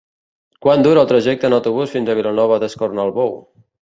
Quant dura el trajecte en autobús fins a Vilanova d'Escornalbou?